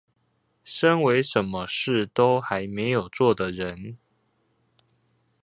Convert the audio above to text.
身為什麼事都還沒有做的人